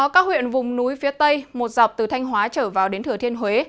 các huyện vùng núi phía tây một dọc từ thanh hóa trở vào đến thừa thiên huế